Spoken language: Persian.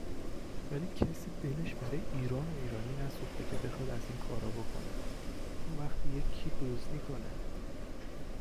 ، ولی کسی دلش براي ايران و ايرانى نسوخته كه بخواد از اينكارا بكنه، اونوقت دیگه کی دزدی کنه؟؟